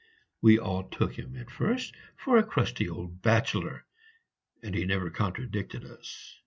We all took him at first for a crusty old bachelor, and he never contradicted us.